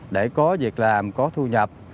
để có việc làm có thu nhập